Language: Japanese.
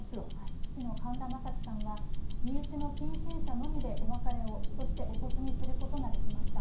父の神田正輝さんは、身内の近親者のみでお別れを、そしてお骨にすることができました。